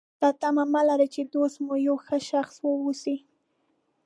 دا تمه مه لرئ چې دوست مو یو ښه شخص واوسي.